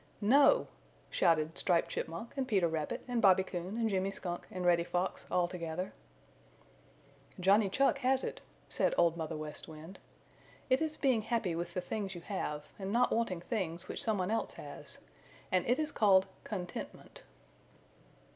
"NO!" shouted Striped Chipmunk and Peter Rabbit and Bobby Coon and Jimmy Skunk and Reddy Fox all together. "Johnny Chuck has it," said Old Mother West Wind. "It is being happy with the things you have and not wanting things which some one else has. And it is called Con tent ment."